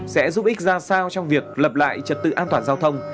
sẽ giúp ích ra sao trong việc lập lại trật tự an toàn giao thông